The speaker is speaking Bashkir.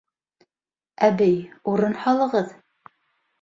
Әбей, урын һалығыҙ.